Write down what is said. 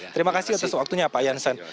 terima kasih atas waktunya pak jansen